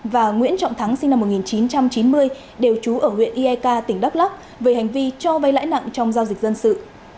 và nguyễn trọng thắng sinh năm một nghìn chín trăm chín mươi đều trú ở huyện eak tỉnh đắk lắc về hành vi cho vay lãi nặng trong giao dịch dân sự